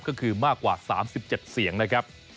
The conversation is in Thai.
ก็คือมากกว่า๓๗เสียงนะครับ